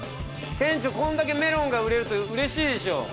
店長こんだけメロンが売れるとうれしいでしょ。